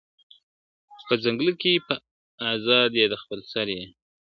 په ځنگله کی به آزاد یې د خپل سر یې !.